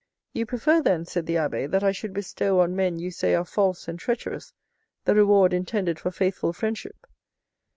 "You prefer, then," said the abbé, "that I should bestow on men you say are false and treacherous, the reward intended for faithful friendship?"